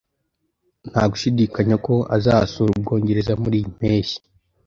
Nta gushidikanya ko azasura Ubwongereza muri iyi mpeshyi